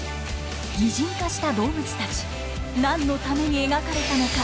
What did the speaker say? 擬人化した動物たち何のために描かれたのか？